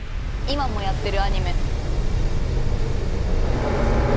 今もやってるアニメ。